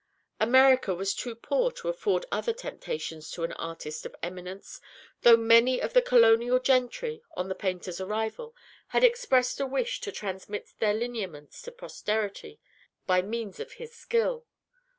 America was too poor to afford other temptations to an artist of eminence, though many of the colonial gentry, on the painter's arrival, had expressed a wish to transmit their lineaments to posterity by means of his skill.